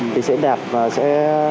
thì sẽ đặt và sẽ